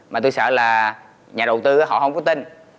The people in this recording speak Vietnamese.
mà tôi sợ là nhà đầu tư họ không có tin